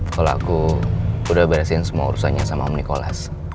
kalau aku udah beresin semua urusannya sama om nikolas